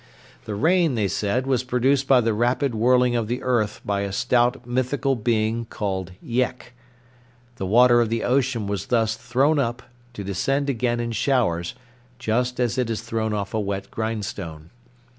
The rain, they said, was produced by the rapid whirling of the earth by a stout mythical being called Yek. The water of the ocean was thus thrown up, to descend again in showers, just as it is thrown off a wet grindstone.